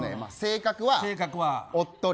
性格は、おっとり。